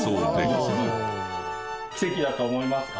奇跡だと思いますか？